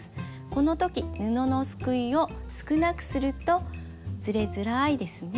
この時布のすくいを少なくするとずれづらいですね。